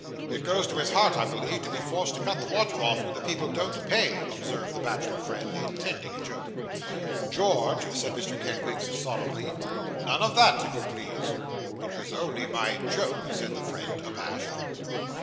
'It goes to his heart, I believe, to be forced to cut the water off, when the people don't pay,' observed the bachelor friend, intending a joke. 'George,' said Mr. Kenwigs, solemnly, 'none of that, if you please.' 'It was only my joke,' said the friend, abashed.